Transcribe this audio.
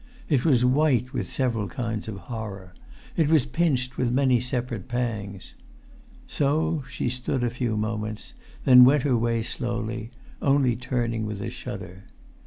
It was white with several kinds of horror; it was pinched with many separate pangs. So she stood a few moments, then went her way slowly, only turning with a shudder.